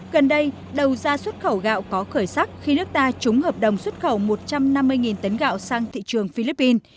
gần đây đầu ra xuất khẩu gạo có khởi sắc khi nước ta trúng hợp đồng xuất khẩu một trăm năm mươi tấn gạo sang thị trường philippines